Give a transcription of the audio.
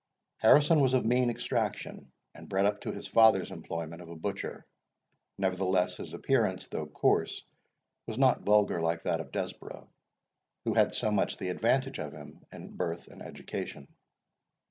Harrison was of mean extraction, and bred up to his father's employment of a butcher. Nevertheless, his appearance, though coarse, was not vulgar, like that of Desborough, who had so much the advantage of him in birth and education.